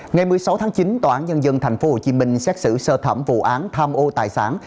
ngày một mươi sáu tháng chín tòa án nhân dân tp hcm xét xử sơ thẩm vụ án tham ô tài sản